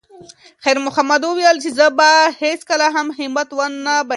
خیر محمد وویل چې زه به هیڅکله هم همت ونه بایللم.